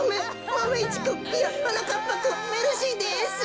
マメ１くんいやはなかっぱくんメルシーです。